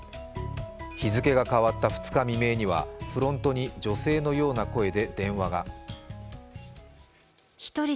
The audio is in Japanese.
日付が変わった２日未明にはフロントに女性のような声で電話が。